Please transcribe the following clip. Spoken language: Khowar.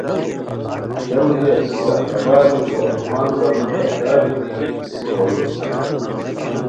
ہے موژی اسیکہ خبر بیکو آسمان پری پیدا بیتی ہوئے